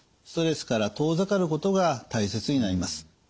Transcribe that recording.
ストレスから遠ざかることが大切になります。